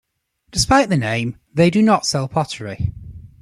Despite the name, they do not sell pottery.